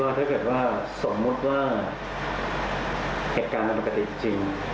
ถ้าเกิดว่าสมมุติว่าเหตุการณ์ปกติจริง